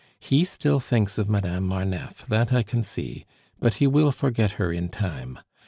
"He still thinks of Madame Marneffe, that I can see; but he will forget her in time.